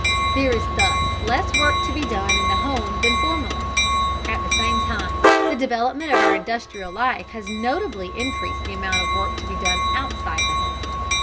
There is thus less work to be done in the home than formerly; at the same time the development of our industrial life has notably increased the amount of work to be done outside the home.